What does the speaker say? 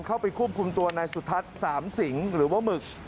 เข้าไปควบคุมตัวนายสุทัศน์สามสิงหรือว่าหมึก